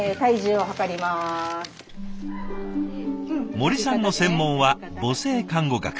森さんの専門は母性看護学。